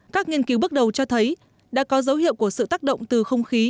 các nghiên cứu bước đầu cho thấy đã có dấu hiệu của sự tác động từ không khí